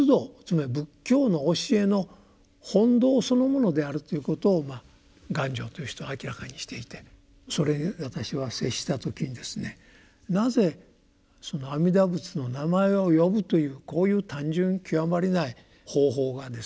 ものであるということを元照という人は明らかにしていてそれに私は接した時にですねなぜその阿弥陀仏の名前を呼ぶというこういう単純極まりない方法がですね